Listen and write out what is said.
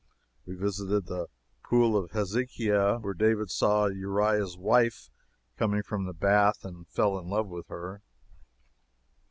We visited the pool of Hezekiah, where David saw Uriah's wife coming from the bath and fell in love with her.